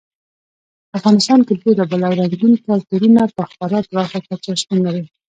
په افغانستان کې بېلابېل او رنګین کلتورونه په خورا پراخه کچه شتون لري.